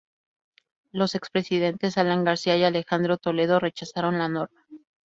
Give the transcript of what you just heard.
Los expresidentes Alan García y Alejandro Toledo rechazaron la norma.